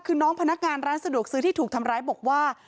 คือน้องพนักงานร้านสะดวกซื้อที่ถูกทำร้ายบอกว่า